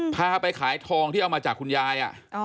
พาไปขายทองที่เอามาจากคุณยาย